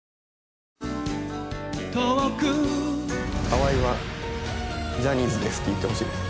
「河合はジャニーズです」って言ってほしいです。